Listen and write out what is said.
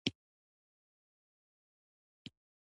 ازادي راډیو د د جګړې راپورونه د تحول لړۍ تعقیب کړې.